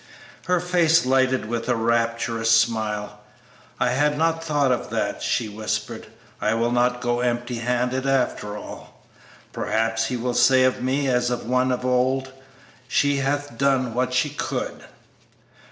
Her face lighted with a rapturous smile. "I had not thought of that," she whispered; "I will not go empty handed after all. Perhaps He will say of me, as of one of old, 'She hath done what she could.'"